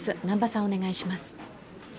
南波さん、お願いします。